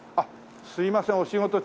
すいませんお仕事中。